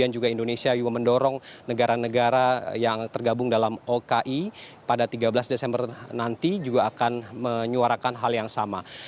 jadi saya yuk mendorong negara negara yang tergabung dalam oki pada tiga belas desember nanti juga akan menyuarakan hal yang sama